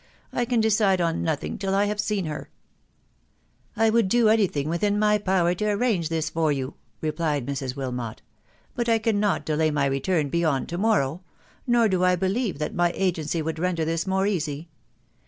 ... I can decide on nothing till I have seen her !"" I would do any thing within my power to arrange this for you," replied Mrs. Wilmot ; ei but I cannot delay my return beyond to morrow ; nor do I believe that my agency would render this more easy.